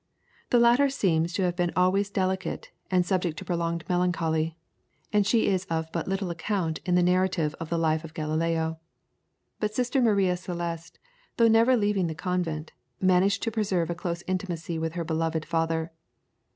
The latter seems to have been always delicate and subject to prolonged melancholy, and she is of but little account in the narrative of the life of Galileo. But Sister Maria Celeste, though never leaving the convent, managed to preserve a close intimacy with her beloved father.